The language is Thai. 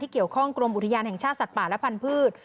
เกี่ยวข้องกรมอุทยานแห่งชาติสัตว์ป่าและพันธุ์